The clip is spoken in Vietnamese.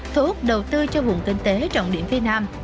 thuốc đầu tư cho vùng kinh tế trọng điểm phía nam